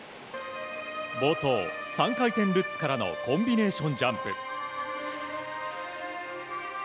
冒頭、３回転ルッツからのコンビネーションジャンプ。